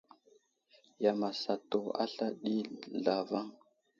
Yam asatu asla ɗi zlavaŋ.